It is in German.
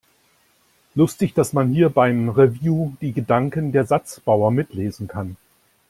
Lustig, dass man hier beim Review die Gedanken der Satzbauer mitlesen kann!